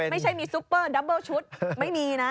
ไม่ใช่มีซุปเปอร์ดับเบอร์ชุดไม่มีนะ